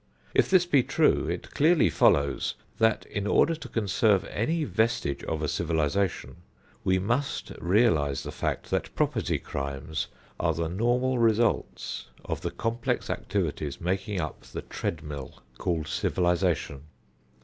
If this be true, it clearly follows that in order to conserve any vestige of a civilization, we must realize the fact that property crimes are the normal results of the complex activities making up the treadmill called civilization.